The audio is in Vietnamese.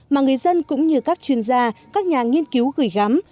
mà người dân cũng như các chuyên gia các nhà nghiên cứu gửi gắm